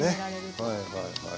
はいはいはい。